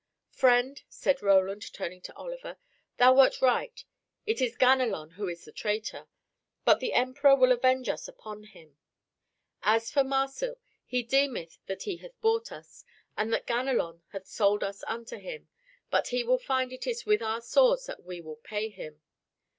"Friend," said Roland, turning to Oliver, "thou wert right. It is Ganelon who is the traitor. But the Emperor will avenge us upon him. As for Marsil, he deemeth that he hath bought us, and that Ganelon hath sold us unto him. But he will find it is with our swords that we will pay him."